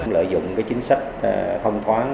lợi dụng chính sách thông toán